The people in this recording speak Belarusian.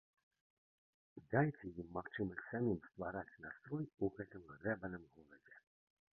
Дайце ім магчымасць самім ствараць настрой у гэтым грэбаным горадзе.